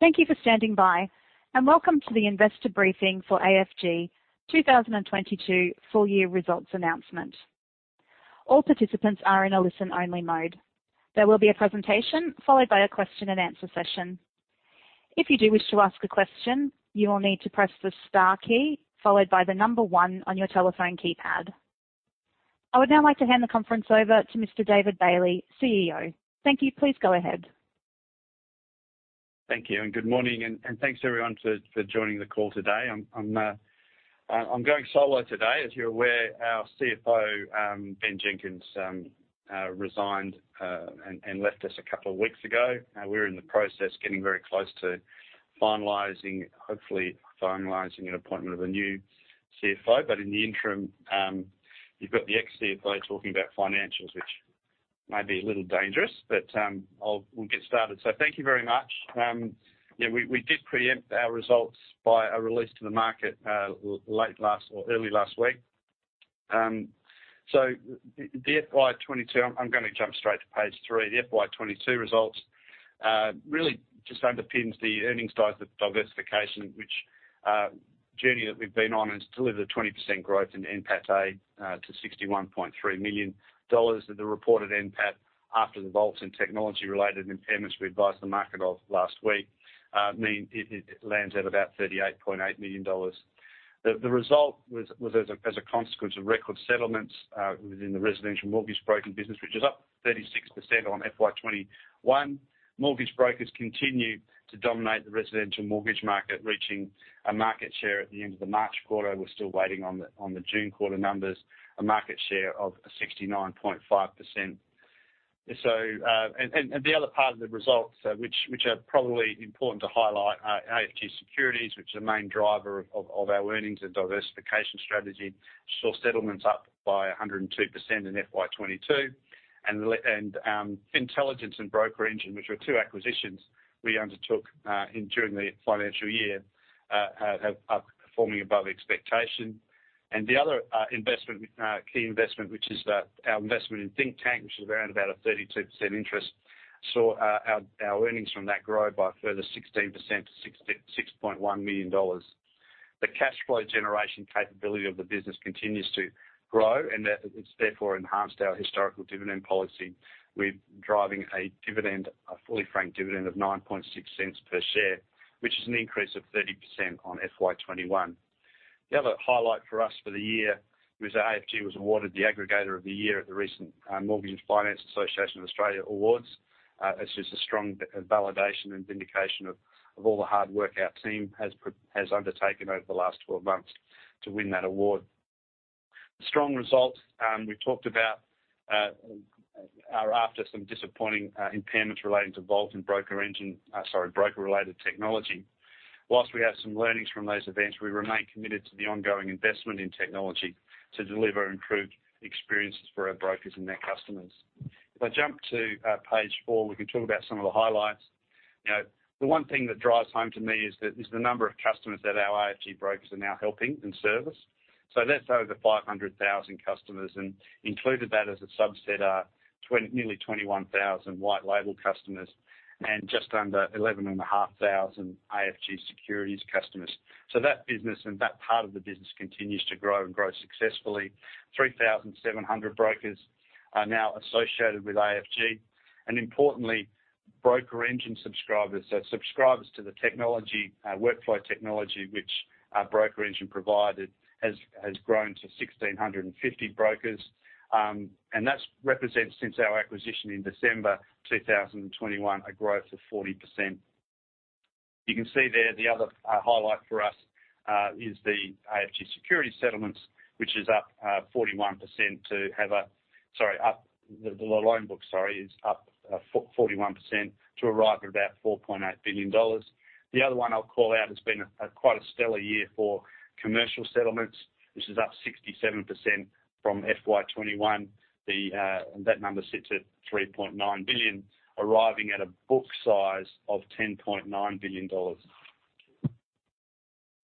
Thank you for standing by, and welcome to the investor briefing for AFG 2022 full year results announcement. All participants are in a listen only mode. There will be a presentation followed by a question and answer session. If you do wish to ask a question, you will need to press the Star key followed by the number one on your telephone keypad. I would now like to hand the conference over to Mr. David Bailey, CEO. Thank you. Please go ahead. Thank you and good morning, and thanks everyone for joining the call today. I'm going solo today. As you're aware, our CFO, Ben Jenkins, resigned, and left us a couple of weeks ago. We're in the process getting very close to finalizing, hopefully finalizing, an appointment of a new CFO. In the interim, you've got the ex-CFO talking about financials, which may be a little dangerous, but we'll get started. Thank you very much. Yeah, we did preempt our results by a release to the market, late last or early last week. The FY 2022, I'm gonna jump straight to page three. The FY 2022 results really just underpins the earnings diversification, which journey that we've been on, and it's delivered a 20% growth in NPAT to 61.3 million dollars. The reported NPAT after the Volt and technology related impairments we advised the market of last week mean it lands at about 38.8 million dollars. The result was as a consequence of record settlements within the residential mortgage broking business, which is up 36% on FY 2021. Mortgage brokers continue to dominate the residential mortgage market, reaching a market share at the end of the March quarter. We're still waiting on the June quarter numbers, a market share of 69.5%. The other part of the results which are probably important to highlight are AFG Securities, which is a main driver of our earnings and diversification strategy, saw settlements up by 102% in FY 2022. Fintelligence and BrokerEngine, which were two acquisitions we undertook during the financial year, are performing above expectation. The other key investment, which is our investment in Thinktank, which is around about a 32% interest, saw our earnings from that grow by a further 16% to 66.1 million dollars. The cash flow generation capability of the business continues to grow, and that it's therefore enhanced our historical dividend policy. We're driving a dividend, a fully franked dividend of 0.096 per share, which is an increase of 30% on FY 2021. The other highlight for us for the year was that AFG was awarded the Aggregator of the Year at the recent Mortgage & Finance Association of Australia Awards. It's just a strong validation and vindication of all the hard work our team has undertaken over the last 12 months to win that award. The strong results we've talked about are after some disappointing impairments relating to Volt and BrokerEngine, sorry, broker-related technology. While we have some learnings from those events, we remain committed to the ongoing investment in technology to deliver improved experiences for our brokers and their customers. If I jump to page four, we can talk about some of the highlights. You know, the one thing that drives home to me is the number of customers that our AFG brokers are now helping and service. That's over 500,000 customers, and included in that as a subset are nearly 21,000 white label customers and just under 11,500 AFG Securities customers. That business and that part of the business continues to grow and grow successfully. 3,700 brokers are now associated with AFG. Importantly, BrokerEngine subscribers. Subscribers to the technology, workflow technology which BrokerEngine provided has grown to 1,650 brokers. That represents since our acquisition in December 2021, a growth of 40%. You can see there the other highlight for us is the AFG Securities settlements, the loan book is up 41% to arrive at about 4.8 billion dollars. The other one I'll call out, it's been quite a stellar year for commercial settlements. This is up 67% from FY 2021. That number sits at 3.9 billion, arriving at a book size of 10.9 billion dollars.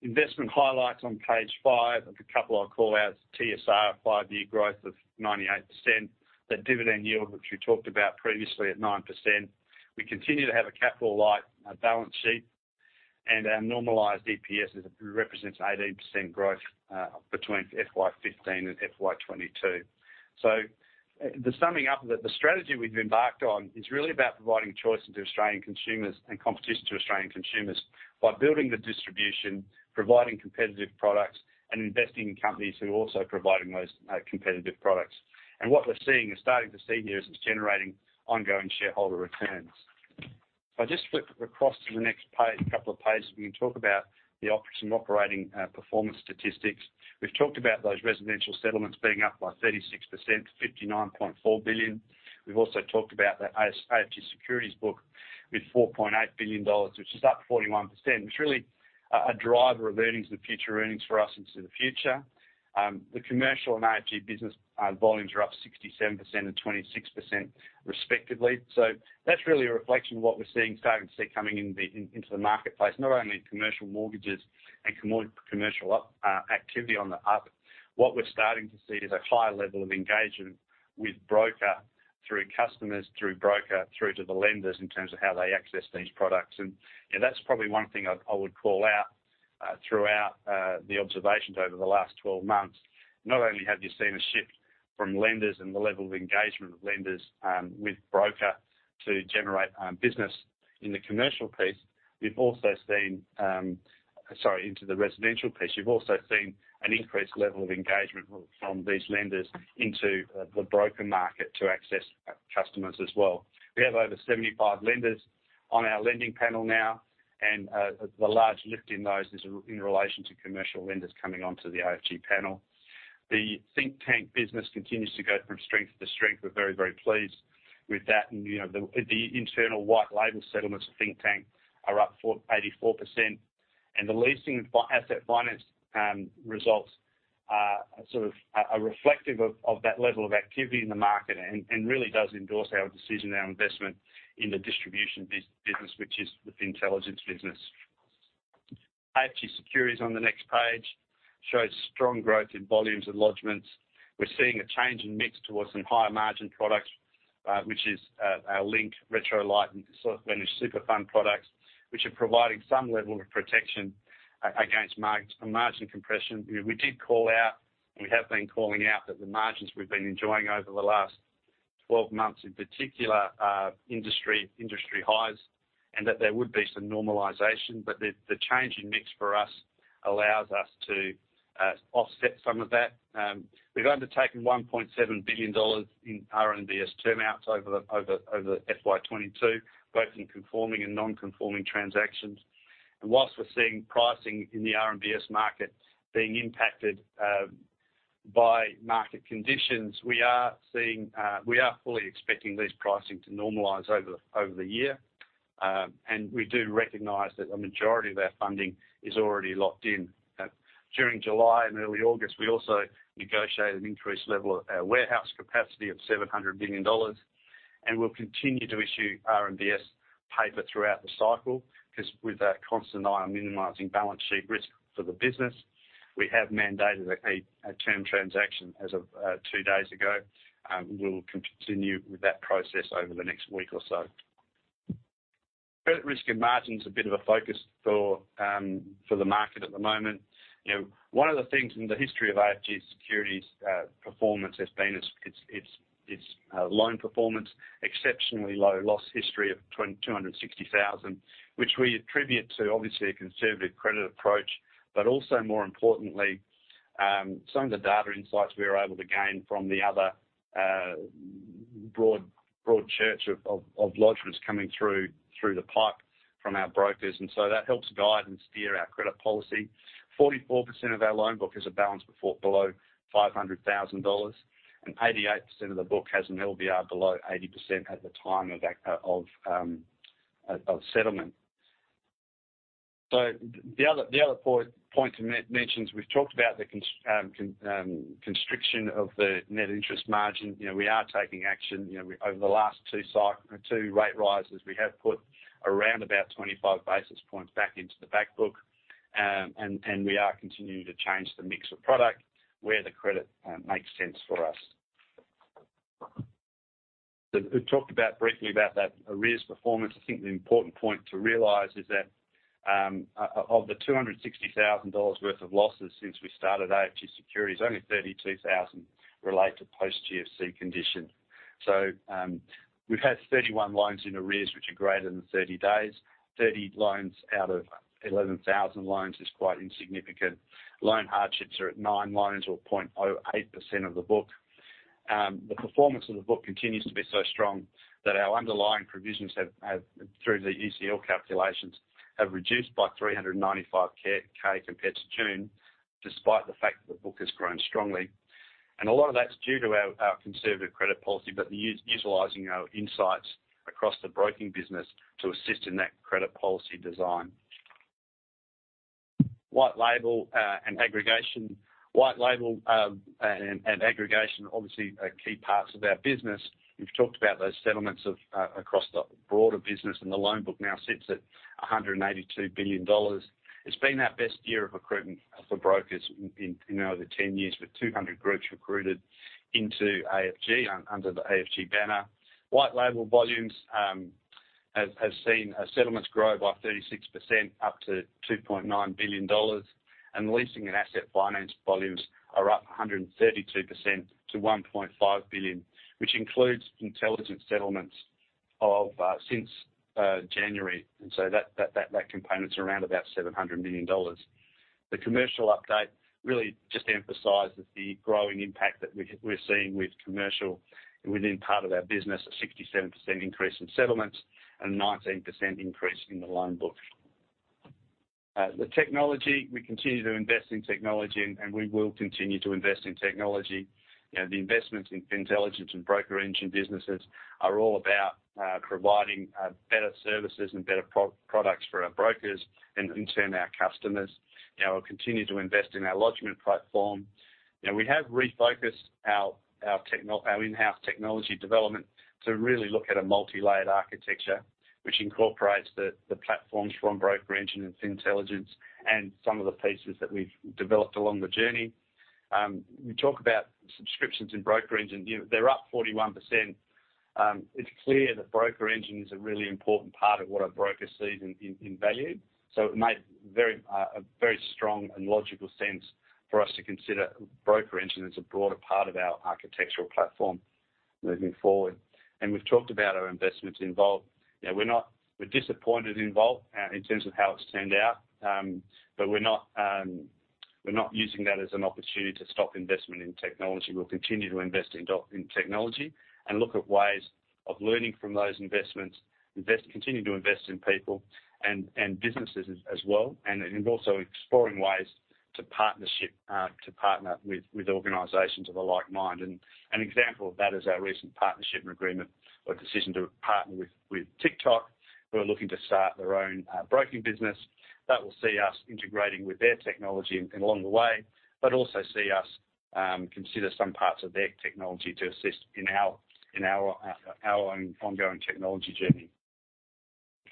Investment highlights on page five. There's a couple I'll call out. TSR five-year growth of 98%. The dividend yield, which we talked about previously at 9%. We continue to have a capital light balance sheet, and our normalized EPS represents 18% growth between FY 2015 and FY 2022. The summing up, the strategy we've embarked on is really about providing choices to Australian consumers and competition to Australian consumers by building the distribution, providing competitive products, and investing in companies who are also providing those competitive products. What we're seeing or starting to see here is it's generating ongoing shareholder returns. If I just flip across to the next page, a couple of pages, we can talk about some operating performance statistics. We've talked about those residential settlements being up by 36% to 59.4 billion. We've also talked about the AFG Securities book with 4.8 billion dollars, which is up 41%. It's really a driver of earnings and future earnings for us into the future. The commercial and AFG business volumes are up 67% and 26% respectively. That's really a reflection of what we're seeing, starting to see coming into the marketplace, not only in commercial mortgages and commercial activity on the up. What we're starting to see is a higher level of engagement with brokers through customers through brokers to the lenders in terms of how they access these products. You know, that's probably one thing I would call out throughout the observations over the last 12 months. Not only have you seen a shift from lenders and the level of engagement of lenders with broker to generate business in the residential piece, we've also seen. You've also seen an increased level of engagement from these lenders into the broker market to access customers as well. We have over 75 lenders on our lending panel now, and the large lift in those is in relation to commercial lenders coming onto the AFG panel. The Thinktank business continues to go from strength to strength. We're very, very pleased with that. The internal white label settlements for Thinktank are up 84%. The leasing and asset finance results are reflective of that level of activity in the market and really does endorse our decision and our investment in the distribution business, which is the Fintelligence business. AFG Securities on the next page shows strong growth in volumes and lodgments. We're seeing a change in mix towards some higher margin products, which is our Link, Retro Lite, and Self Managed Super Fund products, which are providing some level of protection against margin compression. You know, we did call out, and we have been calling out that the margins we've been enjoying over the last 12 months in particular, industry highs, and that there would be some normalization. The change in mix for us allows us to offset some of that. We've undertaken 1.7 billion dollars in RMBS term outs over FY 2022, both in conforming and non-conforming transactions. Whilst we're seeing pricing in the RMBS market being impacted by market conditions, we are fully expecting LVR pricing to normalize over the year. We do recognize that the majority of our funding is already locked in. During July and early August, we also negotiated an increased level of our warehouse capacity of 700 million dollars, and we'll continue to issue RMBS paper throughout the cycle, 'cause with our constant eye on minimizing balance sheet risk for the business, we have mandated a term transaction as of two days ago. We'll continue with that process over the next week or so. Credit risk and margin is a bit of a focus for the market at the moment. You know, one of the things in the history of AFG Securities performance has been its loan performance, exceptionally low loss history of 260,000, which we attribute to obviously a conservative credit approach, but also more importantly, some of the data insights we were able to gain from the other broad church of lodgements coming through the pipe from our brokers. That helps guide and steer our credit policy. 44% of our loan book is a balance below 500,000 dollars, and 88% of the book has an LVR below 80% at the time of settlement. The other point to mention is we've talked about the constriction of the net interest margin. You know, we are taking action. You know, over the last two rate rises, we have put around about 25 basis points back into the back book. We are continuing to change the mix of product where the credit makes sense for us. We've talked briefly about that arrears performance. I think the important point to realize is that of the 260,000 dollars worth of losses since we started AFG Securities, only 32,000 relate to post GFC conditions. We've had 31 loans in arrears, which are greater than 30 days. 30 loans out of 11,000 loans is quite insignificant. Loan hardships are at 9 loans or 0.08% of the book. The performance of the book continues to be so strong that our underlying provisions have through the ECL calculations reduced by 395,000 compared to June, despite the fact that the book has grown strongly. A lot of that's due to our conservative credit policy, but us utilizing our insights across the broking business to assist in that credit policy design. White label and aggregation obviously are key parts of our business. We've talked about those settlements across the broader business, and the loan book now sits at 182 billion dollars. It's been our best year of recruitment for brokers in over 10 years, with 200 groups recruited into AFG under the AFG banner. White label volumes have seen settlements grow by 36% up to 2.9 billion dollars. Leasing and asset finance volumes are up 132% to 1.5 billion, which includes Fintelligence settlements since January. That component's around about 700 million dollars. The commercial update really just emphasizes the growing impact that we're seeing with commercial within part of our business, a 67% increase in settlements and 19% increase in the loan book. We continue to invest in technology, and we will continue to invest in technology. You know, the investments in Fintelligence and BrokerEngine businesses are all about providing better services and better products for our brokers and in turn, our customers. You know, we'll continue to invest in our lodgement platform. You know, we have refocused our in-house technology development to really look at a multi-layered architecture which incorporates the platforms from BrokerEngine and Fintelligence and some of the pieces that we've developed along the journey. We talk about subscriptions in BrokerEngine, you know, they're up 41%. It's clear that BrokerEngine is a really important part of what a broker sees in value. So it made a very strong and logical sense for us to consider BrokerEngine as a broader part of our architectural platform moving forward. We've talked about our investments in Volt. Now, we're disappointed in Volt in terms of how it's turned out. But we're not using that as an opportunity to stop investment in technology. We'll continue to invest in technology and look at ways of learning from those investments, continue to invest in people and businesses as well. Then also exploring ways to partner with organizations of a like mind. An example of that is our recent partnership and agreement or decision to partner with Tic:Toc, who are looking to start their own broking business that will see us integrating with their technology along the way, but also see us consider some parts of their technology to assist in our own ongoing technology journey.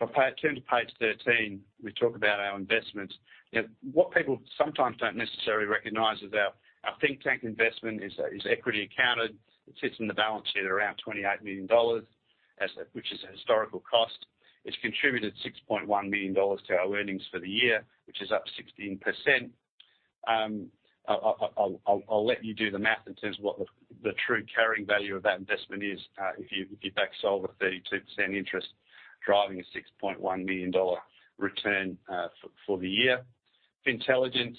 If I turn to page 13, we talk about our investments. Now, what people sometimes don't necessarily recognize is our Thinktank investment is equity accounted. It sits in the balance sheet around 28 million dollars, which is a historical cost. It's contributed 6.1 million dollars to our earnings for the year, which is up 16%. I'll let you do the math in terms of what the true carrying value of that investment is, if you back solve a 32% interest driving a 6.1 million dollar return, for the year. Fintelligence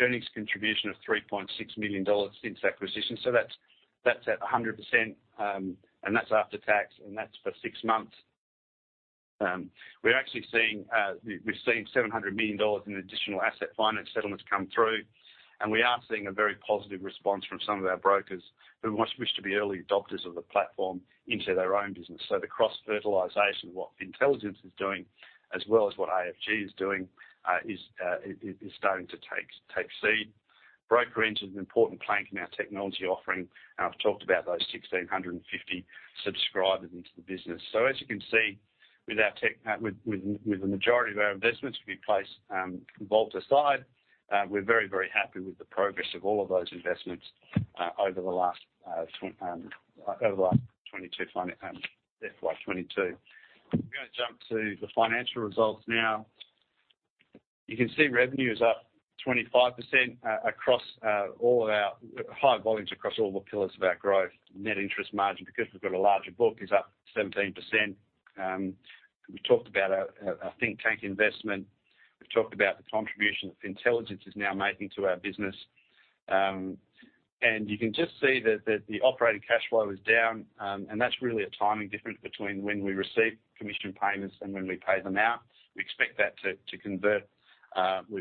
earnings contribution of 3.6 million dollars since acquisition. That's at 100%, and that's after tax, and that's for six months. We're actually seeing, we've seen 700 million dollars in additional asset finance settlements come through, and we are seeing a very positive response from some of our brokers who wish to be early adopters of the platform into their own business. The cross-fertilization of what Fintelligence is doing, as well as what AFG is doing, is starting to take seed. BrokerEngine is an important plank in our technology offering, and I've talked about those 1,650 subscribers into the business. As you can see with our tech, with the majority of our investments, we place Volt aside, we're very happy with the progress of all of those investments over the last 2022, FY 2022. I'm gonna jump to the financial results now. You can see revenue is up 25% across all of our high volumes across all the pillars of our growth. Net interest margin, because we've got a larger book, is up 17%. We talked about our Thinktank investment. We've talked about the contribution that Fintelligence is now making to our business. You can just see that the operating cash flow is down. That's really a timing difference between when we receive commission payments and when we pay them out. We expect that to convert.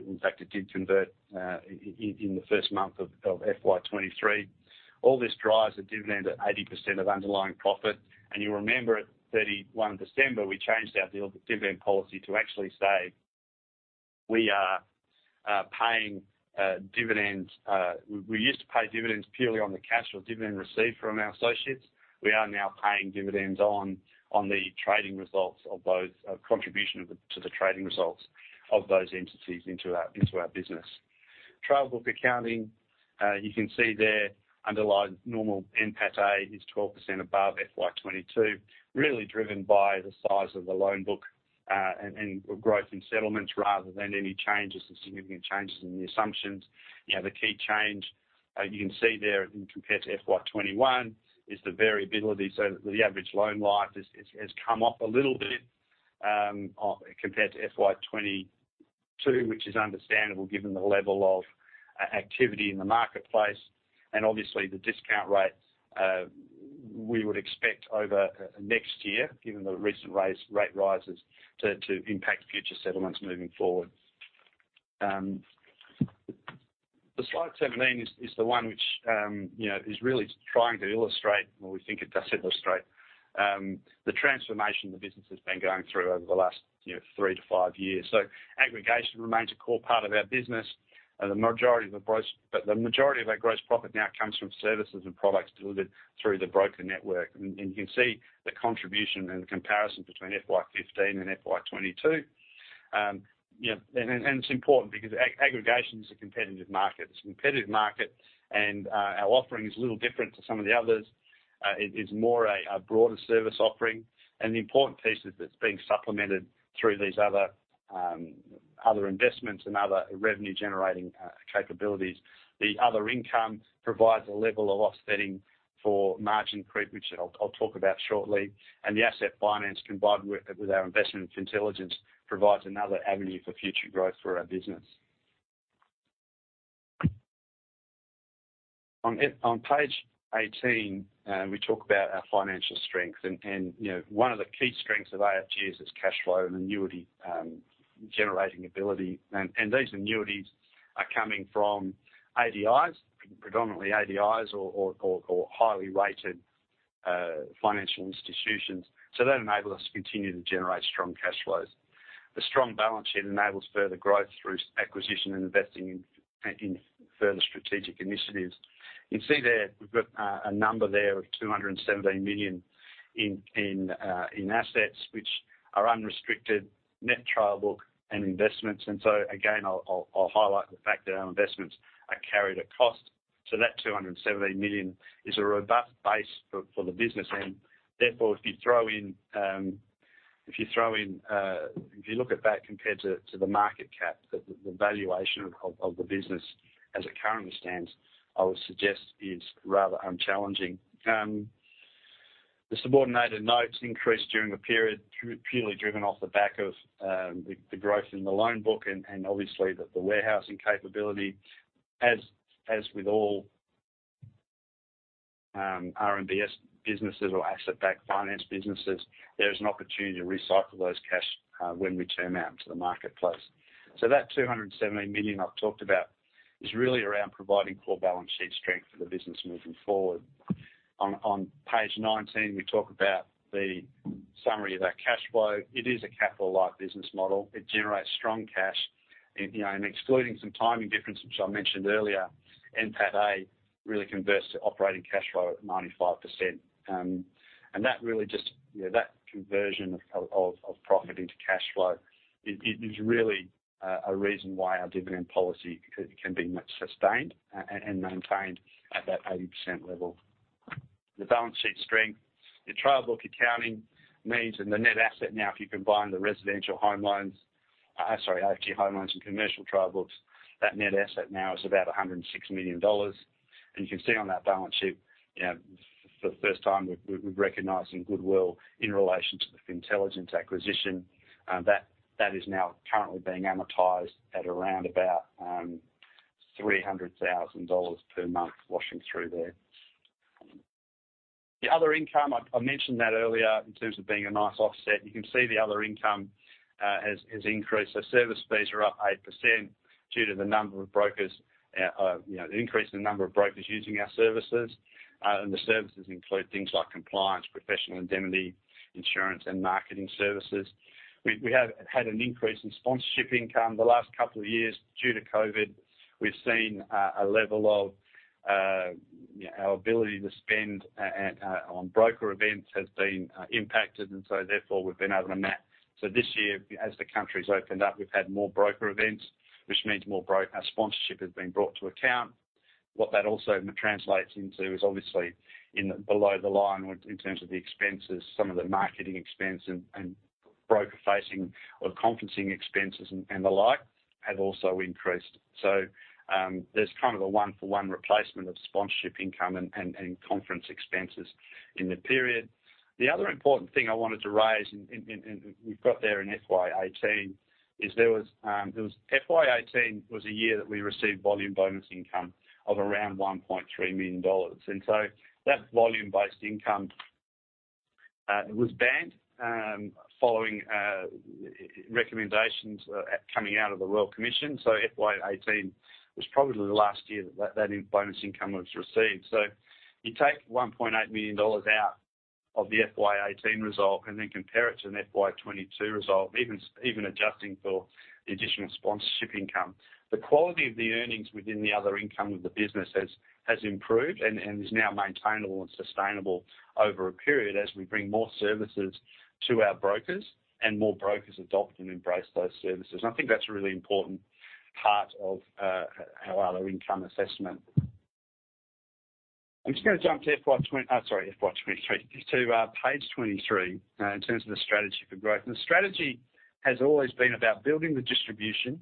In fact, it did convert in the first month of FY 2023. All this drives a dividend at 80% of underlying profit. You remember at 31 December, we changed our dividend policy to actually say we are paying dividends. We used to pay dividends purely on the cash or dividend received from our associates. We are now paying dividends on the contribution to the trading results of those entities into our business. Trail book accounting, you can see there underlying normal NPATA is 12% above FY 2022, really driven by the size of the loan book, and growth in settlements rather than any significant changes in the assumptions. You know, the key change you can see there compared to FY 2021 is the variability. The average loan life has come off a little bit, compared to FY 2022, which is understandable given the level of activity in the marketplace. Obviously the discount rate we would expect over next year, given the recent rate rises to impact future settlements moving forward. The slide 17 is the one which, you know, is really trying to illustrate, or we think it does illustrate, the transformation the business has been going through over the last three to five years. Aggregation remains a core part of our business. The majority of our gross profit now comes from services and products delivered through the broker network. You can see the contribution and comparison between FY 2015 and FY 2022. It's important because aggregation is a competitive market. It's a competitive market and our offering is a little different to some of the others. It is more a broader service offering. The important piece is that's being supplemented through these other other investments and other revenue generating capabilities. The other income provides a level of offsetting for margin creep, which I'll talk about shortly. The asset finance, combined with our investment in Fintelligence, provides another avenue for future growth for our business. On page 18, we talk about our financial strength. You know, one of the key strengths of AFG is its cash flow and annuity generating ability. These annuities are coming from ADIs, predominantly ADIs or highly rated financial institutions. That enables us to continue to generate strong cash flows. The strong balance sheet enables further growth through acquisition and investing in further strategic initiatives. You can see there, we've got a number there of 217 million in assets, which are unrestricted net trail book and investments. Again, I'll highlight the fact that our investments are carried at cost. That 217 million is a robust base for the business and therefore if you throw in, if you look at that compared to the market cap, the valuation of the business as it currently stands, I would suggest is rather unchallenging. The subordinated notes increased during the period purely driven off the back of the growth in the loan book and obviously the warehousing capability. As with all RMBS businesses or asset-backed finance businesses, there is an opportunity to recycle those cash when we turn them out into the marketplace. That 217 million I've talked about is really around providing core balance sheet strength for the business moving forward. On page 19, we talk about the summary of our cash flow. It is a capital light business model. It generates strong cash, you know, and excluding some timing differences which I mentioned earlier, NPATA really converts to operating cash flow at 95%. That really just, you know, that conversion of profit into cash flow is really a reason why our dividend policy can be more sustained and maintained at that 80% level. The balance sheet strength, the trail book accounting means and the net asset now, if you combine the residential home loans, resi trail home loans and commercial trail books, that net asset now is about 106 million dollars. You can see on that balance sheet, you know, for the first time, we're recognizing goodwill in relation to the Fintelligence acquisition. That is now currently being amortized at around about 300 thousand dollars per month washing through there. The other income, I mentioned that earlier in terms of being a nice offset. You can see the other income has increased. Service fees are up 8% due to the number of brokers, you know, the increase in the number of brokers using our services. The services include things like compliance, professional indemnity, insurance, and marketing services. We have had an increase in sponsorship income. The last couple of years due to COVID, we've seen a level of our ability to spend on broker events has been impacted, and so therefore we've been able to save. This year, as the country's opened up, we've had more broker events, which means more sponsorship has been brought to account. What that also translates into is obviously in the below the line in terms of the expenses, some of the marketing expense and broker facing or conferencing expenses and the like have also increased. There's kind of a one-for-one replacement of sponsorship income and conference expenses in the period. The other important thing I wanted to raise and we've got there in FY 2018 is FY 2018 was a year that we received volume bonus income of around 1.3 million dollars. That volume-based income was banned following recommendations coming out of the Royal Commission. FY 2018 was probably the last year that that bonus income was received. You take 1.8 million dollars out of the FY 2018 result and then compare it to an FY 2022 result, even adjusting for the additional sponsorship income. The quality of the earnings within the other income of the business has improved and is now maintainable and sustainable over a period as we bring more services to our brokers, and more brokers adopt and embrace those services. I think that's a really important part of our other income assessment. I'm just gonna jump to FY 2023 to page 23 in terms of the strategy for growth. The strategy has always been about building the distribution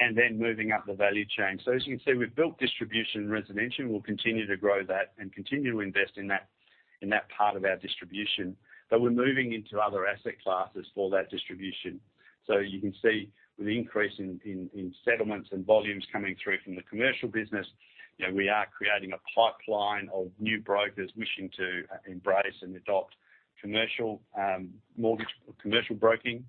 and then moving up the value chain. As you can see, we've built distribution in residential, and we'll continue to grow that and continue to invest in that part of our distribution, but we're moving into other asset classes for that distribution. You can see with the increase in settlements and volumes coming through from the commercial business, you know, we are creating a pipeline of new brokers wishing to embrace and adopt commercial mortgage commercial broking.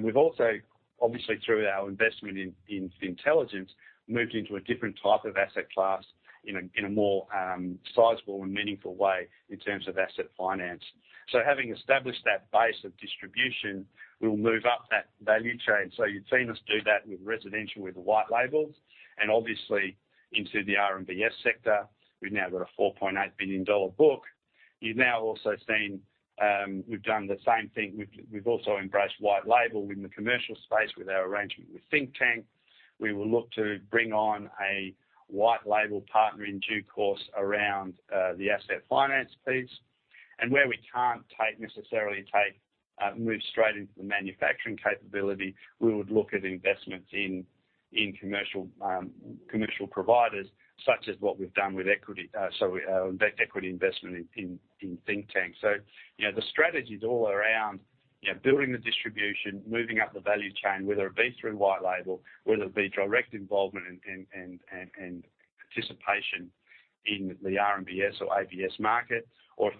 We've also, obviously through our investment in Fintelligence, moved into a different type of asset class in a more sizable and meaningful way in terms of asset finance. Having established that base of distribution, we'll move up that value chain. You've seen us do that with residential, with the white labels and obviously into the RMBS sector. We've now got 4.8 billion dollar book. You've now also seen we've done the same thing. We've also embraced white label in the commercial space with our arrangement with Thinktank. We will look to bring on a white label partner in due course around the asset finance piece. Where we can't necessarily move straight into the manufacturing capability, we would look at investments in commercial providers, such as what we've done with equity investment in Thinktank. You know, the strategy is all around, you know, building the distribution, moving up the value chain, whether it be through white label, whether it be direct involvement and participation in the RMBS or ABS market, or if we can't or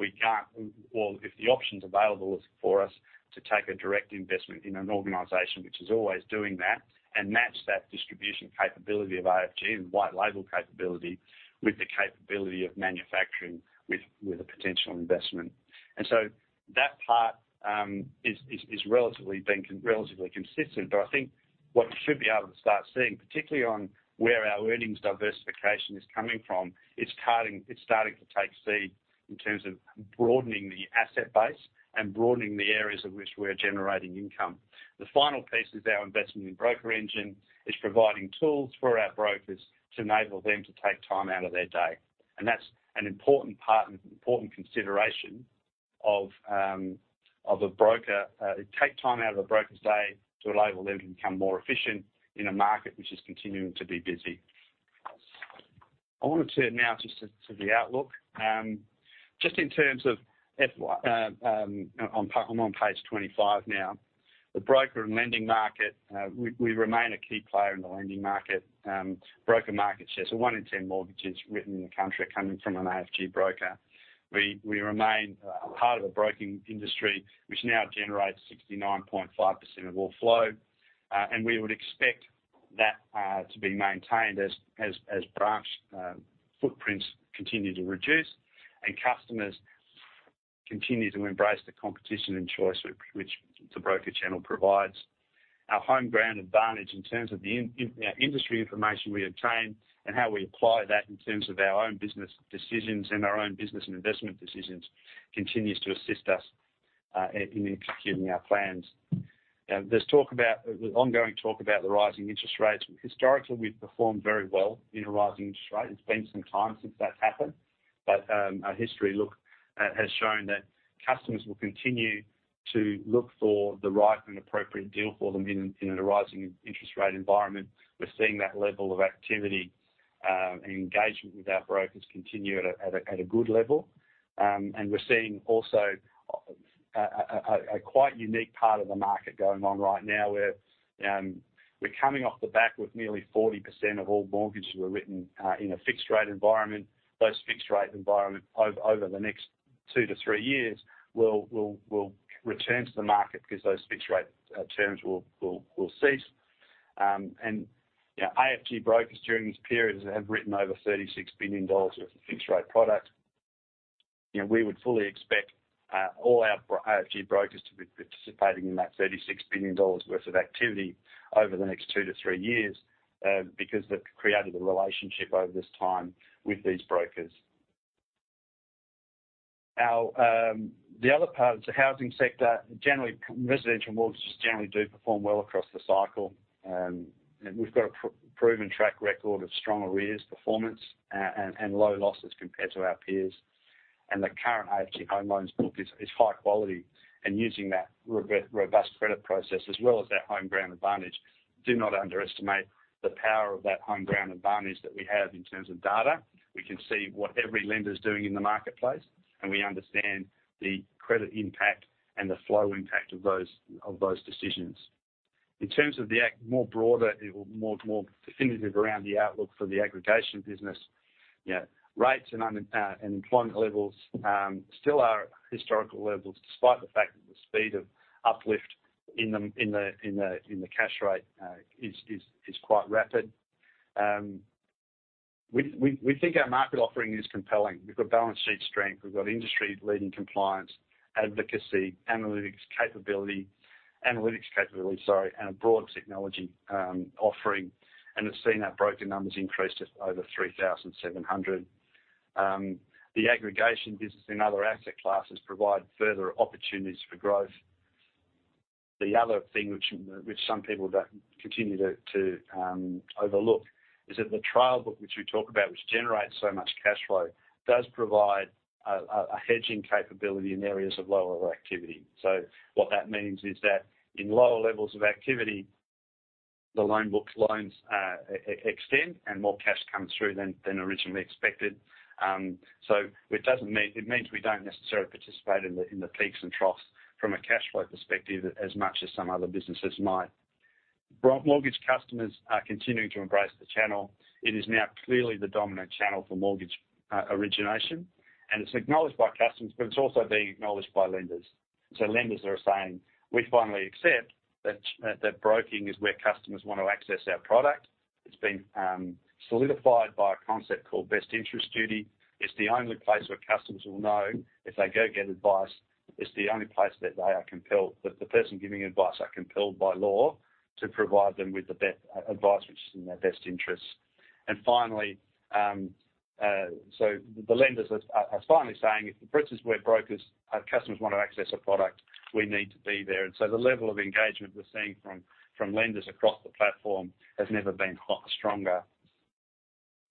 if the option's available for us to take a direct investment in an organization which is always doing that. Match that distribution capability of AFG and white label capability with the capability of manufacturing with a potential investment. That part is relatively consistent. I think what you should be able to start seeing, particularly on where our earnings diversification is coming from, it's starting to take seed in terms of broadening the asset base and broadening the areas in which we're generating income. The final piece is our investment in BrokerEngine, is providing tools for our brokers to enable them to take time out of their day. That's an important part and important consideration of a broker. It take time out of a broker's day to allow them to become more efficient in a market which is continuing to be busy. I wanna turn now just to the outlook, just in terms of FY. I'm on page 25 now. The broker and lending market, we remain a key player in the lending market, broker market share. One in ten mortgages written in the country are coming from an AFG broker. We remain part of a broking industry which now generates 69.5% of all flow. We would expect that to be maintained as branch footprints continue to reduce and customers continue to embrace the competition and choice which the broker channel provides. Our home ground advantage in terms of the, you know, industry information we obtain and how we apply that in terms of our own business decisions and our own business and investment decisions continues to assist us in executing our plans. Now, there's ongoing talk about the rising interest rates. Historically, we've performed very well in a rising interest rate. It's been some time since that's happened, but our history has shown that customers will continue to look for the right and appropriate deal for them in a rising interest rate environment. We're seeing that level of activity and engagement with our brokers continue at a good level. We're seeing also a quite unique part of the market going on right now, where we're coming off the back of nearly 40% of all mortgages were written in a fixed rate environment. Those fixed rate environment over the next 2-3 years will return to the market because those fixed rate terms will cease. You know, AFG brokers during this period have written over 36 billion dollars worth of fixed rate product. You know, we would fully expect all our AFG brokers to be participating in that 36 billion dollars worth of activity over the next 2-3 years, because they've created a relationship over this time with these brokers. Our, the other part, the housing sector, generally, residential mortgages generally do perform well across the cycle. We've got a proven track record of strong arrears performance, and low losses compared to our peers. The current AFG Home Loans book is high quality. Using that robust credit process as well as that home ground advantage, do not underestimate the power of that home ground advantage that we have in terms of data. We can see what every lender's doing in the marketplace, and we understand the credit impact and the flow impact of those decisions. In terms of more broader, it will more definitive around the outlook for the aggregation business. You know, rates and employment levels still are at historical levels, despite the fact that the speed of uplift in the cash rate is quite rapid. We think our market offering is compelling. We've got balance sheet strength, we've got industry-leading compliance, advocacy, analytics capability, sorry, and a broad technology offering. We've seen our broker numbers increase just over 3,700. The aggregation business in other asset classes provide further opportunities for growth. The other thing which some people don't continue to overlook is that the trail book which we talk about, which generates so much cash flow, does provide a hedging capability in areas of lower activity. What that means is that in lower levels of activity, the loan book's loans extend and more cash comes through than originally expected. It means we don't necessarily participate in the peaks and troughs from a cash flow perspective as much as some other businesses might. Mortgage customers are continuing to embrace the channel. It is now clearly the dominant channel for mortgage origination, and it's acknowledged by customers, but it's also being acknowledged by lenders. Lenders are saying, "We finally accept that broking is where customers want to access our product." It's been solidified by a concept called best interests duty. It's the only place where customers will know if they go get advice, it's the only place that they are compelled, that the person giving advice are compelled by law to provide them with the best advice which is in their best interest. Lenders are finally saying, "Where brokers, customers want to access a product, we need to be there." The level of engagement we're seeing from lenders across the platform has never been stronger.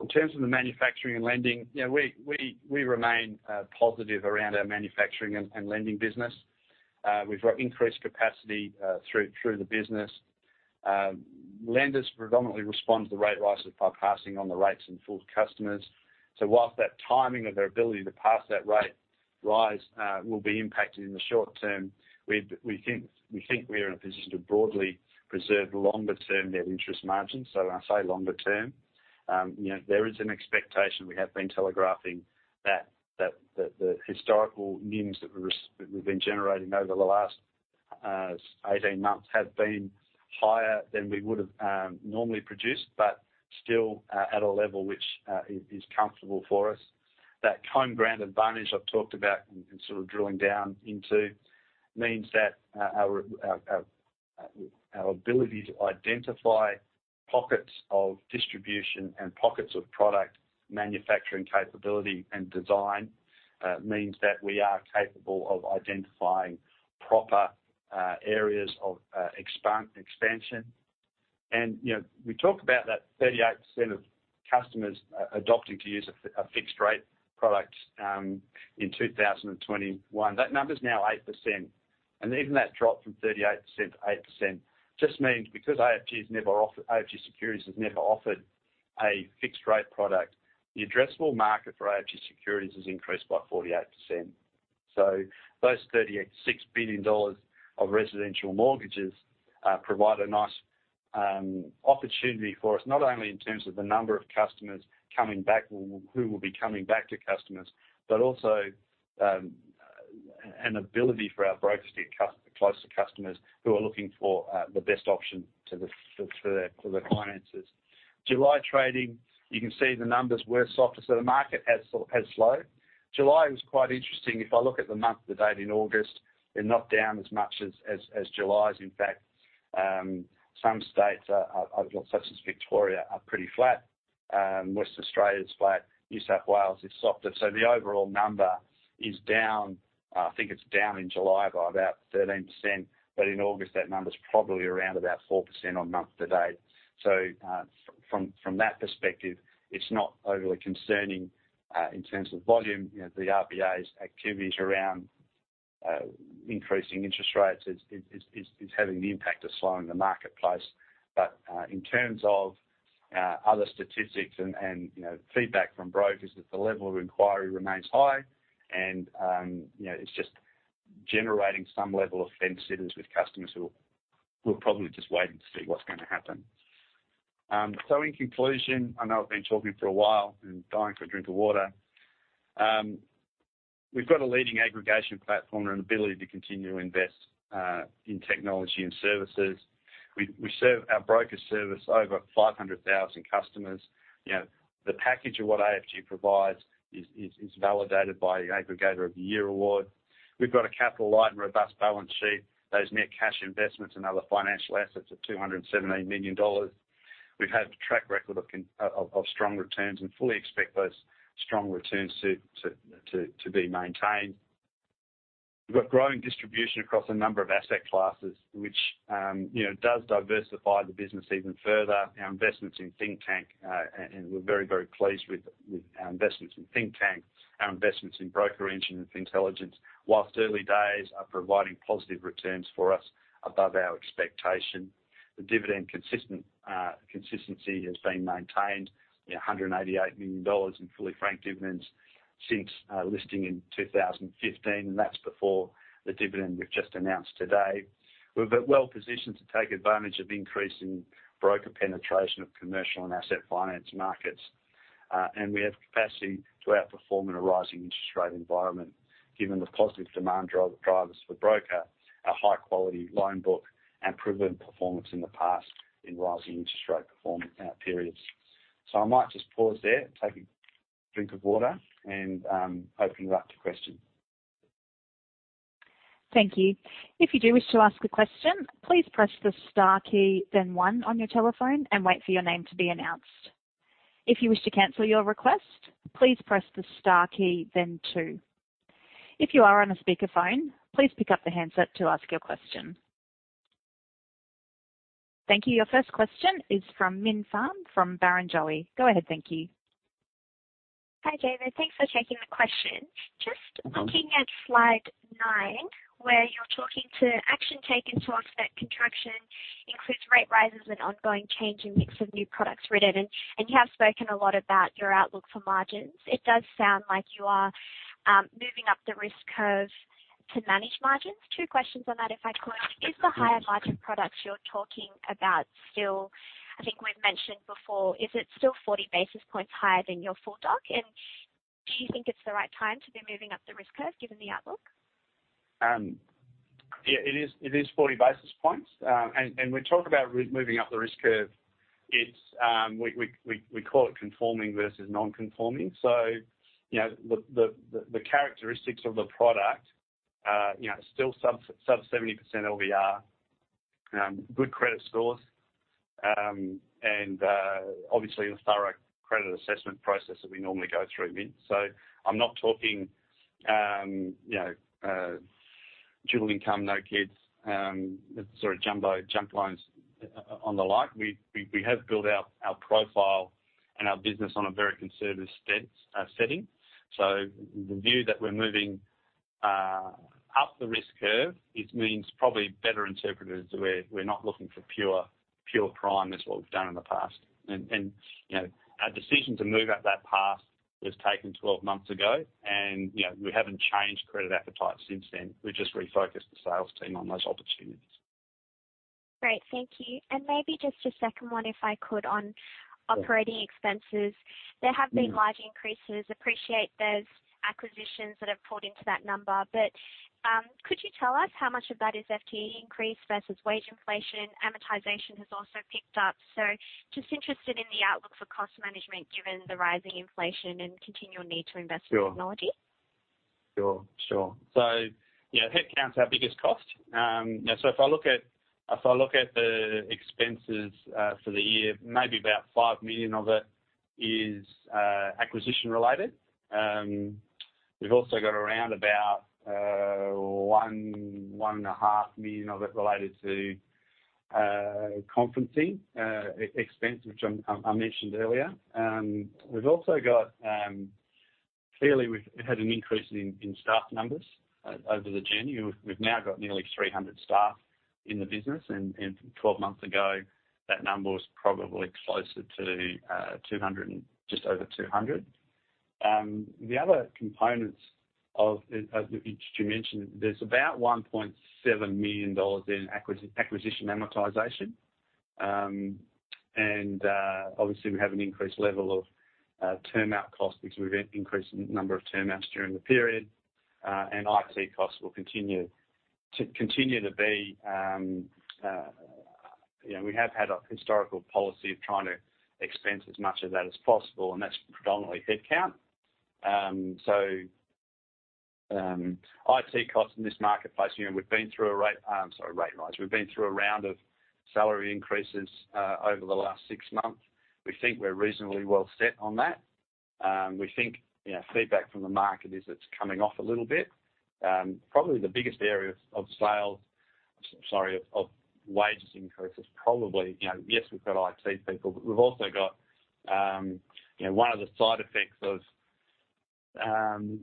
In terms of the manufacturing and lending, you know, we remain positive around our manufacturing and lending business. We've got increased capacity through the business. Lenders predominantly respond to the rate rises by passing on the rates in full to customers. While that timing of their ability to pass that rate rise will be impacted in the short term, we think we are in a position to broadly preserve longer term net interest margins. When I say longer term, you know, there is an expectation we have been telegraphing that the historical NIMs that we've been generating over the last 18 months have been higher than we would've normally produced, but still at a level which is comfortable for us. That home ground advantage I've talked about and sort of drilling down into means that our ability to identify pockets of distribution and pockets of product manufacturing capability and design means that we are capable of identifying proper areas of expansion. You know, we talk about that 38% of customers adopting to use a fixed rate product in 2021. That number is now 8%. Even that drop from 38% to 8% just means because AFG has never offered a fixed rate product, AFG Securities has never offered a fixed rate product, the addressable market for AFG Securities is increased by 48%. Those 38.6 billion dollars of residential mortgages provide a nice opportunity for us, not only in terms of the number of customers coming back or who will be coming back to customers, but also an ability for our brokers to get close to customers who are looking for the best option for their finances. July trading, you can see the numbers were softer, so the market has slowed. July was quite interesting. If I look at the month to date in August, they're not down as much as July is. In fact, some states are, such as Victoria, are pretty flat. Western Australia is flat. New South Wales is softer. The overall number is down. I think it's down in July by about 13%. In August, that number is probably around about 4% month to date. From that perspective, it's not overly concerning in terms of volume. You know, the RBA's activities around increasing interest rates is having the impact of slowing the marketplace. In terms of other statistics and you know, feedback from brokers, that the level of inquiry remains high and you know, it's just generating some level of fence sitters with customers who are probably just waiting to see what's going to happen. In conclusion, I know I've been talking for a while and dying for a drink of water. We've got a leading aggregation platform and an ability to continue to invest in technology and services. We serve. Our brokers service over 500,000 customers. You know, the package of what AFG provides is validated by the Aggregator of the Year award. We've got a capital light and robust balance sheet. Those net cash investments and other financial assets of 217 million dollars. We've had a track record of strong returns and fully expect those strong returns to be maintained. We've got growing distribution across a number of asset classes, which, you know, does diversify the business even further. Our investments in Thinktank, and we're very, very pleased with our investments in Thinktank. Our investments in BrokerEngine and Fintelligence, whilst early days, are providing positive returns for us above our expectation. The dividend consistency has been maintained. You know, 188 million dollars in fully franked dividends since listing in 2015, and that's before the dividend we've just announced today. We're well-positioned to take advantage of increasing broker penetration of commercial and asset finance markets. We have capacity to outperform in a rising interest rate environment, given the positive demand drivers for broker, our high-quality loan book, and proven performance in the past in rising interest rate periods. I might just pause there, take a drink of water and open it up to questions. Thank you. If you do wish to ask a question, please press the star key, then one on your telephone and wait for your name to be announced. If you wish to cancel your request, please press the star key, then two. If you are on a speakerphone, please pick up the handset to ask your question. Thank you. Your first question is from Minh Phan from Barrenjoey. Go ahead, thank you. Hi, David. Thanks for taking the question. Just looking at slide nine, where you're talking about actions taken to offset contraction includes rate rises and ongoing change in mix of new products written. You have spoken a lot about your outlook for margins. It does sound like you are moving up the risk curve to manage margins. Two questions on that, if I could. Is the higher margin products you're talking about still, I think we've mentioned before, is it still 40 basis points higher than your full doc? Do you think it's the right time to be moving up the risk curve given the outlook? Yeah, it is 40 basis points. We talk about moving up the risk curve. We call it conforming versus non-conforming. You know, the characteristics of the product, you know, still sub-70% LVR, good credit scores, and obviously the thorough credit assessment process that we normally go through, Minh. I'm not talking, you know, dual income, no kids, the sort of jumbo junk loans or the like. We have built our profile and our business on a very conservative setting. The view that we're moving up the risk curve. It means probably better interpreted as we're not looking for pure prime as what we've done in the past. you know, our decision to move up that path was taken 12 months ago and, you know, we haven't changed credit appetite since then. We've just refocused the sales team on those opportunities. Great. Thank you. Maybe just a second one, if I could, on operating expenses. There have been large increases. Appreciate there's acquisitions that have pulled into that number. Could you tell us how much of that is FTE increase versus wage inflation? Amortization has also picked up. Just interested in the outlook for cost management given the rising inflation and continual need to invest in technology. Sure. Yeah, headcount's our biggest cost. If I look at the expenses for the year, maybe about 5 million of it is acquisition-related. We've also got around about 1.5 million of it related to conferencing expense, which I mentioned earlier. We've also got clearly we've had an increase in staff numbers over the journey. We've now got nearly 300 staff in the business, and 12 months ago, that number was probably closer to 200 and just over 200. The other components of, as you mentioned, there's about 1.7 million dollars in acquisition amortization. Obviously, we have an increased level of term out cost because we've increased the number of term outs during the period. IT costs will continue to be, you know, we have had a historical policy of trying to expense as much of that as possible, and that's predominantly headcount. So, IT costs in this marketplace, you know, we've been through a rate rise. We've been through a round of salary increases over the last six months. We think we're reasonably well set on that. We think, you know, feedback from the market is it's coming off a little bit. Probably the biggest area of sales, sorry, of wages increases, probably, you know, yes, we've got IT people, but we've also got, you know, one of the side effects of 70%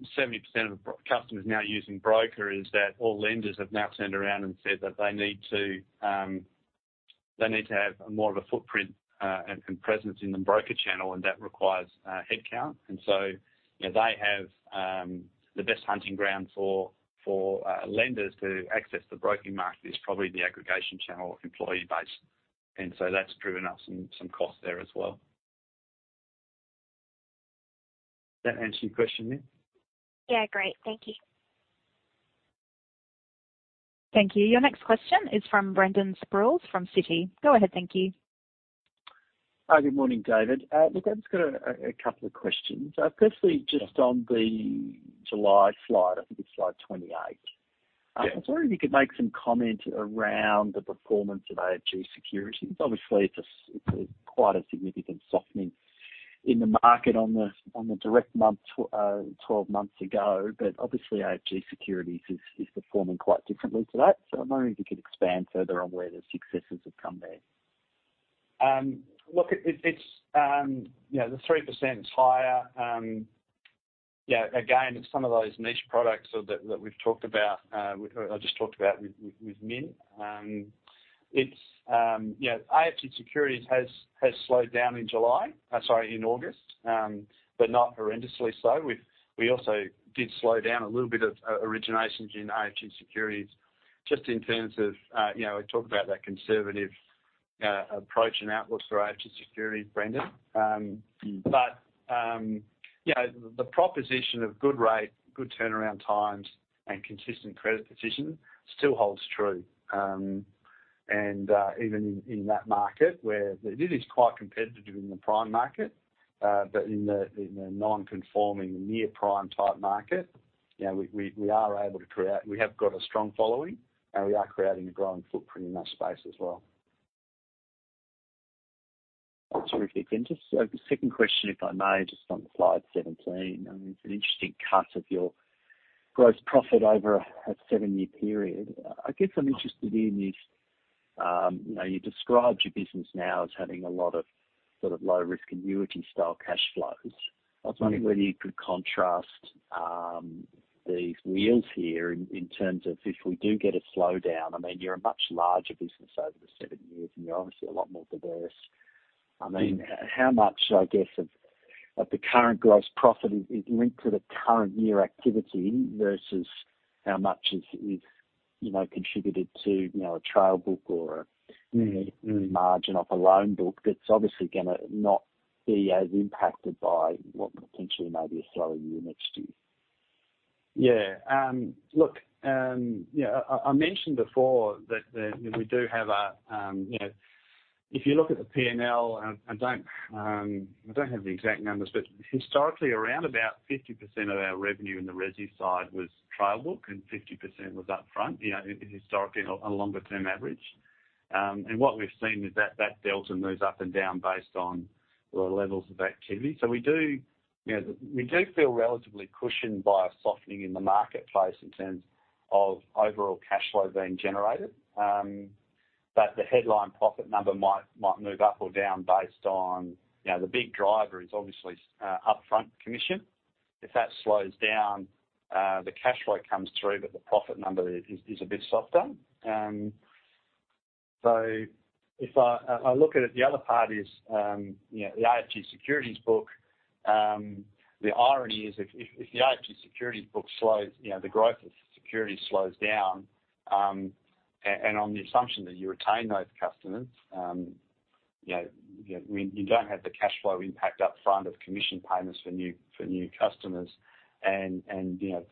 of the pro-customers now using Broker is that all lenders have now turned around and said that they need to have more of a footprint and presence in the Broker channel, and that requires headcount. You know, they have the best hunting ground for lenders to access the broking market is probably the aggregation channel employee base. That's driven up some costs there as well. Does that answer your question, Minh? Yeah. Great. Thank you. Thank you. Your next question is from Brendan Sproules from Citi. Go ahead. Thank you. Hi. Good morning, David. Look, I've just got a couple of questions. Firstly, just on the July slide, I think it's slide 28. Yeah. I was wondering if you could make some comment around the performance of AFG Securities. Obviously, it's quite a significant softening in the market 12 months ago, but obviously AFG Securities is performing quite differently to that. I'm wondering if you could expand further on where the successes have come there. Look, it's, you know, the 3% is higher. Yeah, again, some of those niche products that we've talked about, I just talked about with Min. It's, you know, AFG Securities has slowed down in July, sorry, in August, but not horrendously so. We also did slow down a little bit of originations in AFG Securities just in terms of, you know, we talked about that conservative approach and outlook for AFG Securities, Brendan. You know, the proposition of good rate, good turnaround times and consistent credit position still holds true. Even in that market where it is quite competitive in the prime market, but in the non-conforming near prime type market, you know, we have got a strong following, and we are creating a growing footprint in that space as well. Terrific. Just the second question, if I may, just on slide 17. I mean, it's an interesting cut of your gross profit over a seven-year period. I guess I'm interested in this. You described your business now as having a lot of sort of low risk annuity style cash flows. Mm-hmm. I was wondering whether you could contrast the deals here in terms of if we do get a slowdown, I mean, you're a much larger business over the seven years, and you're obviously a lot more diverse. Mm-hmm. I mean, how much, I guess, of the current gross profit is linked to the current year activity versus how much is, you know, contributed to, you know, a trail book or? Mm-hmm, mm-hmm. margin of a loan book that's obviously gonna not be as impacted by what potentially may be a slower unit next year? Yeah. Look, you know, I mentioned before that we do have a, you know, if you look at the P&L, and I don't have the exact numbers, but historically, around 50% of our revenue in the resi side was trail book and 50% was upfront, you know, historically on a longer-term average. What we've seen is that that delta moves up and down based on the levels of activity. We do, you know, we do feel relatively cushioned by a softening in the marketplace in terms of overall cash flow being generated. The headline profit number might move up or down based on, you know, the big driver is obviously upfront commission. If that slows down, the cash flow comes through, but the profit number is a bit softer. If I look at it, the other part is, you know, the AFG Securities book. The irony is if the AFG Securities book slows, you know, the growth of securities slows down, and on the assumption that you retain those customers, you know, you don't have the cash flow impact up front of commission payments for new customers and, you know,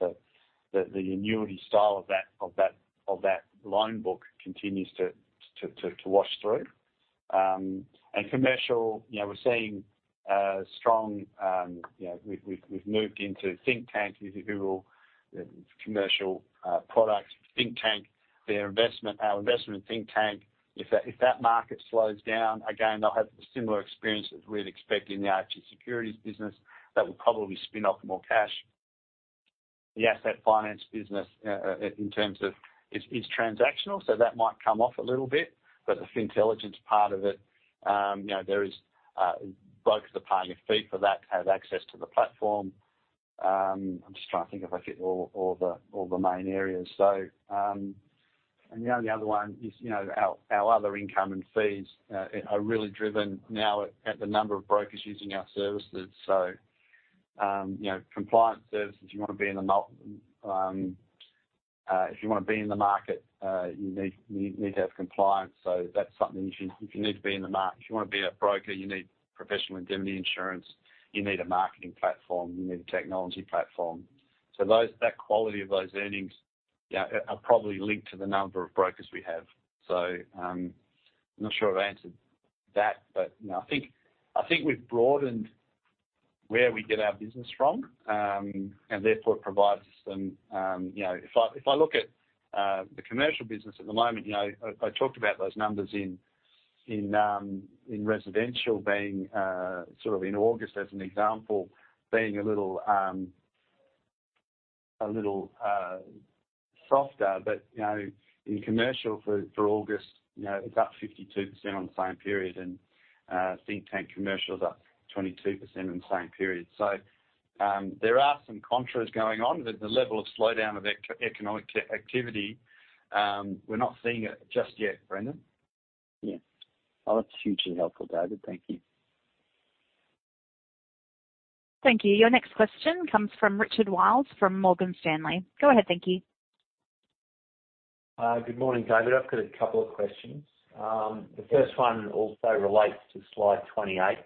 the annuity style of that loan book continues to wash through. Commercial, you know, we're seeing strong, you know, we've moved into Thinktank, if you Google the commercial product, Thinktank, our investment in Thinktank. If that market slows down, again, they'll have a similar experience as we'd expect in the AFG Securities business that will probably spin off more cash. The asset finance business in terms of is transactional, so that might come off a little bit, but the Fintelligence part of it, you know, there is, brokers are paying a fee for that to have access to the platform. I'm just trying to think if I've hit all the main areas. The only other one is, you know, our other income and fees are really driven now at the number of brokers using our services. You know, compliance services, you wanna be in the market, you need to have compliance. If you wanna be a broker, you need professional indemnity insurance, you need a marketing platform, you need a technology platform. Those, that quality of those earnings, yeah, are probably linked to the number of brokers we have. I'm not sure I've answered that, but, you know, I think we've broadened where we get our business from, and therefore it provides us some, you know. If I look at the commercial business at the moment, you know, I talked about those numbers in residential being sort of in August as an example, being a little softer. You know, in commercial for August, you know, it's up 52% on the same period, and Thinktank commercial is up 22% in the same period. There are some contrasts going on. The level of slowdown of economic activity, we're not seeing it just yet, Brendan. Yeah. Oh, that's hugely helpful, David. Thank you. Thank you. Your next question comes from Richard Wiles from Morgan Stanley. Go ahead. Thank you. Good morning, David. I've got a couple of questions. The first one also relates to slide 28.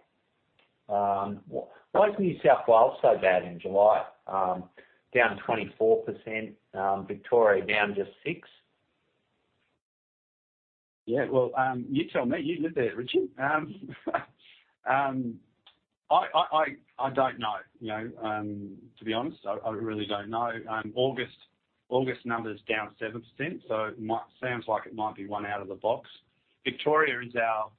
Why is New South Wales so bad in July, down 24%, Victoria down just 6%? Yeah. Well, you tell me. You live there, Richard. I don't know, you know. To be honest, I really don't know. August numbers down 7%, so it might sound like it might be one out of the box. Victoria is our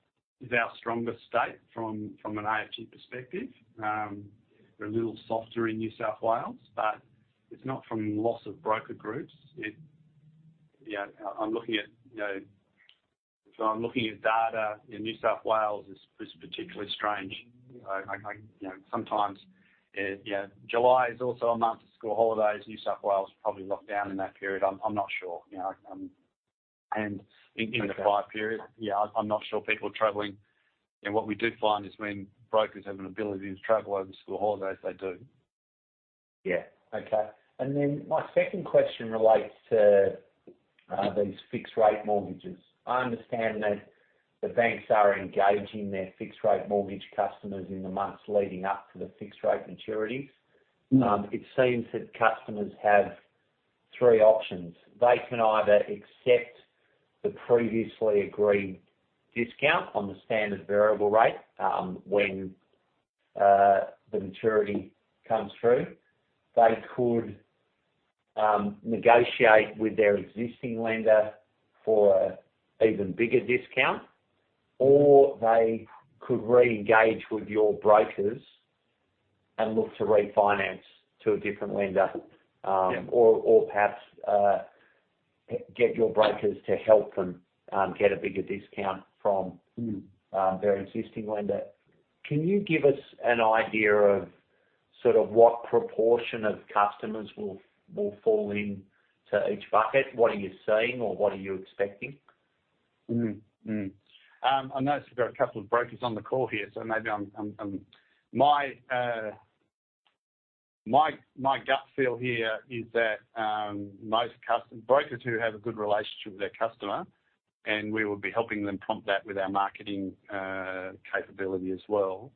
strongest state from an AFG perspective. We're a little softer in New South Wales, but it's not from loss of broker groups. You know, I'm looking at data. You know, New South Wales is particularly strange. You know, sometimes July is also a month of school holidays. New South Wales was probably locked down in that period. I'm not sure, you know. In the quiet period, yeah, I'm not sure people traveling. What we do find is when brokers have an ability to travel over school holidays, they do. Yeah. Okay. My second question relates to these fixed rate mortgages. I understand that the banks are engaging their fixed rate mortgage customers in the months leading up to the fixed rate maturities. Mm. It seems that customers have three options. They can either accept the previously agreed discount on the standard variable rate when the maturity comes through. They could negotiate with their existing lender for even bigger discount, or they could reengage with your brokers and look to refinance to a different lender. Yeah. perhaps get your brokers to help them get a bigger discount from Mm. Their existing lender. Can you give us an idea of sort of what proportion of customers will fall into each bucket? What are you seeing or what are you expecting? I notice we've got a couple of brokers on the call here, so maybe my gut feel here is that most brokers who have a good relationship with their customer, and we will be helping them prompt that with our marketing capability as well.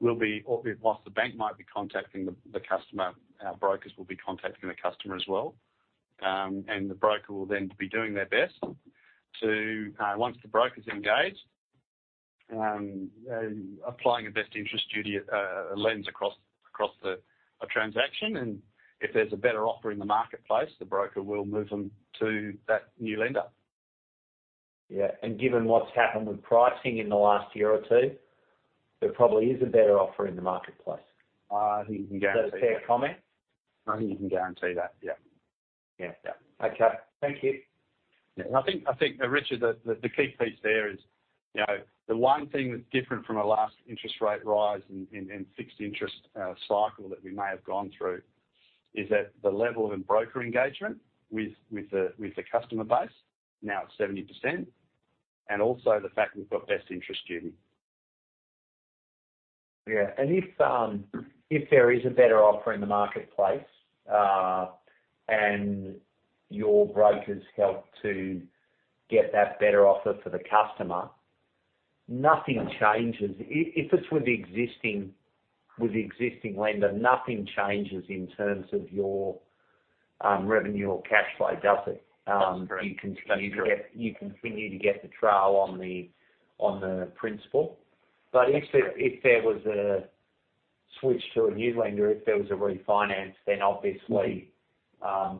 Whilst the bank might be contacting the customer, our brokers will be contacting the customer as well. The broker will then be doing their best to, once the broker's engaged, applying a best interests duty lens across a transaction. If there's a better offer in the marketplace, the broker will move them to that new lender. Yeah. Given what's happened with pricing in the last year or two, there probably is a better offer in the marketplace. You can guarantee that. Is that a fair comment? I think you can guarantee that. Yeah. Yeah. Yeah. Okay. Thank you. Yeah. I think, Richard, the key piece there is, you know, the one thing that's different from our last interest rate rise and fixed interest cycle that we may have gone through is that the level of broker engagement with the customer base now at 70%. Also the fact we've got best interests duty. Yeah. If there is a better offer in the marketplace and your brokers help to get that better offer for the customer, nothing changes. If it's with the existing lender, nothing changes in terms of your revenue or cash flow, does it? That's correct. You continue to get the trail on the principal. But if there was a switch to a new lender, if there was a refinance, then obviously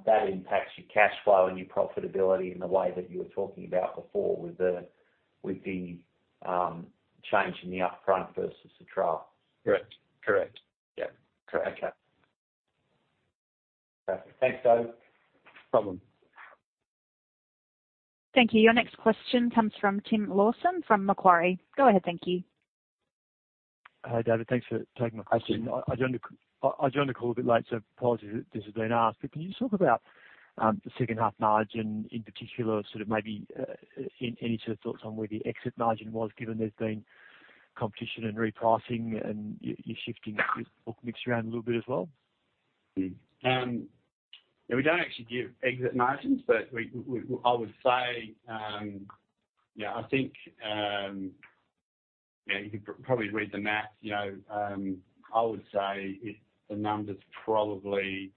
that impacts your cash flow and your profitability in the way that you were talking about before with the change in the up-front versus the trail. Correct. Yeah. Correct. Okay. Perfect. Thanks, Dave. No problem. Thank you. Your next question comes from Tim Lawson from Macquarie. Go ahead, thank you. Hi, David. Thanks for taking my question. Absolutely. I joined the call a bit late, so apologies if this has been asked, but can you just talk about the H2 margin in particular, sort of maybe any sort of thoughts on where the exit margin was given there's been competition and repricing and you're shifting this book mix around a little bit as well? Yeah, we don't actually give exit margins, but we, I would say, yeah, I think, yeah, you can probably read the math. You know, I would say the number's probably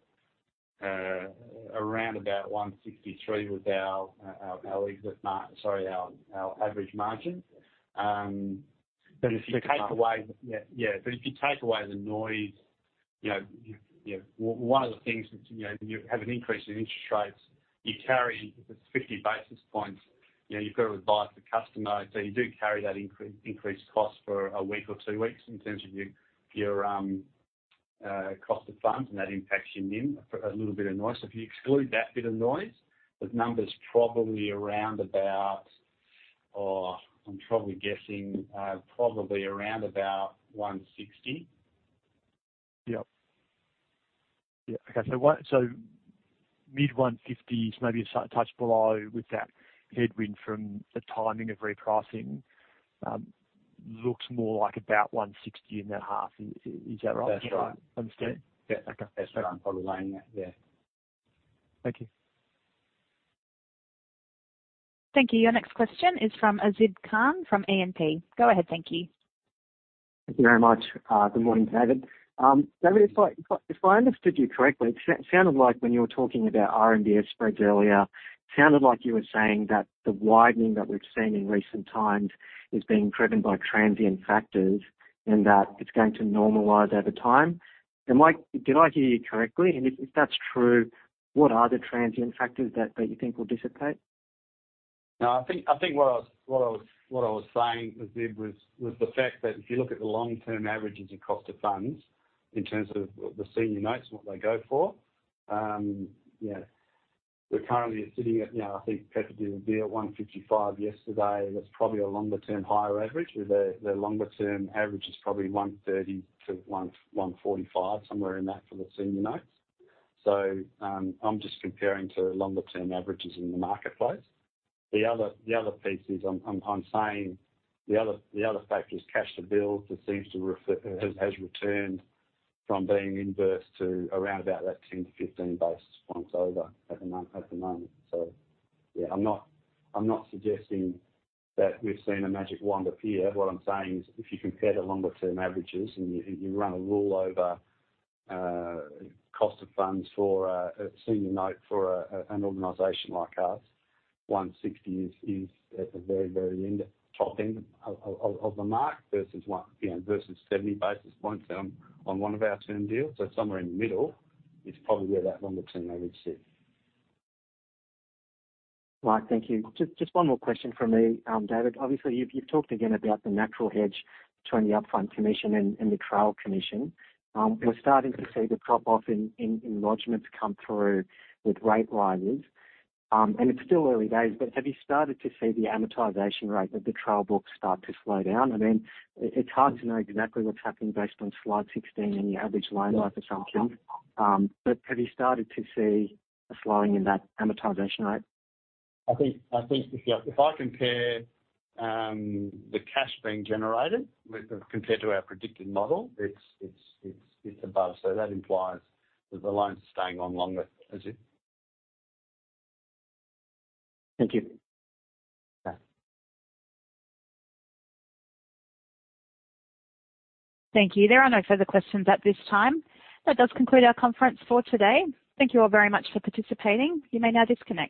around about 163 with our average margin. If you take away the noise, you know, one of the things, you know, when you have an increase in interest rates, you carry 50 basis points. You know, you've got to advise the customer. So you do carry that increased cost for a week or two weeks in terms of your cost of funds, and that impacts your NIM, a little bit of noise. If you exclude that bit of noise, the number's probably around about, oh, I'm probably guessing, probably around about 160. Yep. Yeah. Okay. Mid-150s, maybe a touch below with that headwind from the timing of repricing, looks more like about 160 in that half. Is that right? That's right. Understood. Yeah. Okay. That's right. Probably laying that, yeah. Thank you. Thank you. Your next question is from Azib Khan from AMP. Go ahead, thank you. Thank you very much. Good morning, David. David, if I understood you correctly, it sounded like when you were talking about R&D spreads earlier, you were saying that the widening that we've seen in recent times is being driven by transient factors, and that it's going to normalize over time. Did I hear you correctly? If that's true, what are the transient factors that you think will dissipate? No, I think what I was saying, Azib, was the fact that if you look at the long-term averages of cost of funds, in terms of the senior notes and what they go for, you know, we're currently sitting at, you know, I think Pepper did a deal at 155 yesterday, and that's probably a longer term higher average. The longer term average is probably 130-145, somewhere in that for the senior notes. I'm just comparing to longer term averages in the marketplace. The other piece is I'm saying the other factor is cash to bill. It has returned from being inverse to around about that 10-15 basis points over at the moment. Yeah, I'm not suggesting that we've seen a magic wand appear. What I'm saying is if you compare the longer term averages and you run a rule over cost of funds for a senior note for an organization like ours, 160 is at the very top end of the mark versus 1, you know, versus 70 basis points on one of our term deals. Somewhere in the middle is probably where that longer term average sits. Right. Thank you. Just one more question from me, David. Obviously, you've talked again about the natural hedge between the upfront commission and the trail commission. We're starting to see the drop-off in lodgements come through with rate rises. It's still early days, but have you started to see the amortization rate of the trail book start to slow down? I mean, it's hard to know exactly what's happening based on slide 16 and your average loan life assumptions. But have you started to see a slowing in that amortization rate? I think if I compare the cash being generated compared to our predicted model, it's above. That implies that the loans are staying on longer, Azib. Thank you. Okay. Thank you. There are no further questions at this time. That does conclude our conference for today. Thank you all very much for participating. You may now disconnect.